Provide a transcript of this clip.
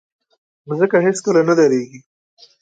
مځکه هیڅکله نه دریږي.